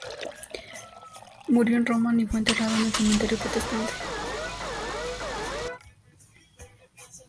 Murió en Roma y fue enterrado en el cementerio protestante.